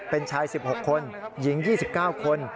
เป็นชาย๑๖คนหญิง๒๙คน